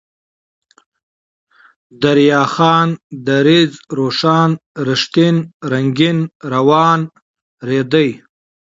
دريا خان ، دريځ ، روښان ، رښتين ، رنگين ، روان ، ريدی